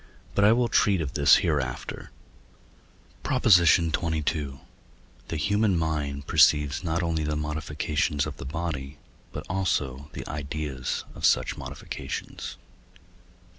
But I will treat of this hereafter. PROP. XXII. The human mind perceives not only the modifications of the body, but also the ideas of such modifications.